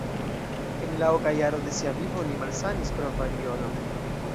En la oka jaro de sia vivo li malsanis pro variolo.